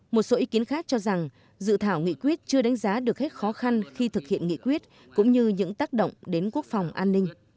một số ý kiến khác cho rằng dự thảo nghị quyết chưa đánh giá được hết khó khăn khi thực hiện nghị quyết cũng như những tác động đến quốc phòng an ninh